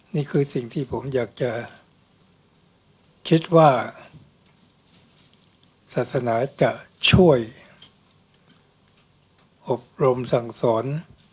นี่คือสิ่งที่ผมอยากจะคิดว่าศาสนาจะช่วยอบรมสั่งสอน